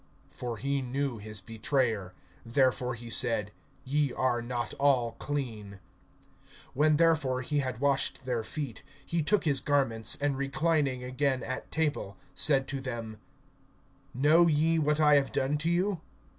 (11)For he knew his betrayer; therefore he said: Ye are not all clean. (12)When therefore he had washed their feet, he took his garments, and reclining again at table, said to them: Know ye what I have done to you?